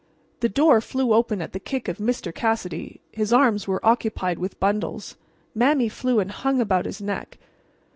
The door flew open at the kick of Mr. Cassidy. His arms were occupied with bundles. Mame flew and hung about his neck.